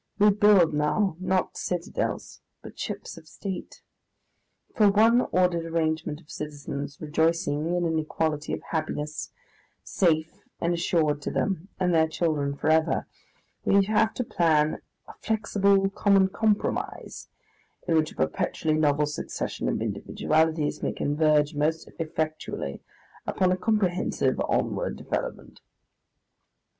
We build now not citadels, but ships of state. For one ordered arrangement of citizens rejoicing in an equality of happiness safe and assured to them and their children for ever, we have to plan "a flexible common compromise, in which a perpetually novel succession of individualities may converge most effectually upon a comprehensive onward development."